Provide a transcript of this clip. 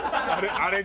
あれ。